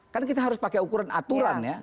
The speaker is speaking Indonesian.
kan kita harus pakai ukuran aturan ya